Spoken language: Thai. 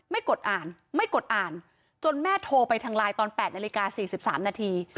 กดอ่านไม่กดอ่านจนแม่โทรไปทางไลน์ตอน๘นาฬิกา๔๓นาที